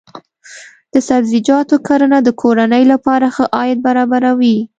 د سبزیجاتو کرنه د کورنۍ لپاره ښه عاید برابروي.